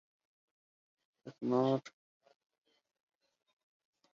If it is not wholly mine it is something better.